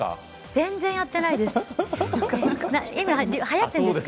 全然やっていないです。